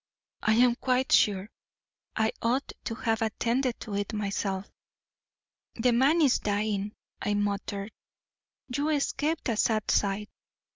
I am quite sure I ought to have attended to it myself.' 'The man is dying,' I muttered. 'You escaped a sad sight.